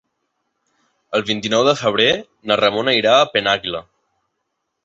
El vint-i-nou de febrer na Ramona irà a Penàguila.